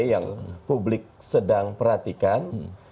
yang publik sedang perhatikan